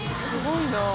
すごいな！